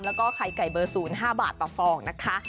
แล้วก็ไข่ไก่เบอร์๐๕บาทต่อฟองนะคะ